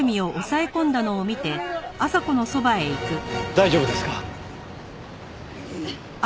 大丈夫ですか？